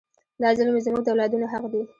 دا زیرمې زموږ د اولادونو حق دی.